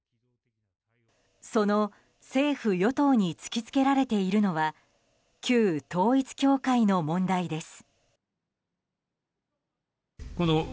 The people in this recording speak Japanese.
その政府・与党に突き付けられているのは旧統一教会の問題です。